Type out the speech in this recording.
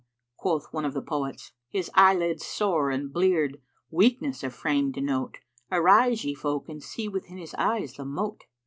Quoth one of the poets, 'His eyelids sore and bleared * Weakness of frame denote: Arise, ye folk and see * Within his eyes the mote!'"